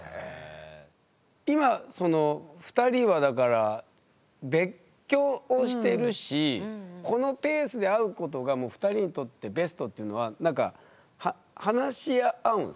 今２人はだから別居をしてるしこのペースで会うことが２人にとってベストっていうのはなんか話し合うんですか？